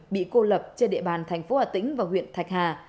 bị cô lập trên địa bàn thành phố hà tĩnh và huyện thạch hà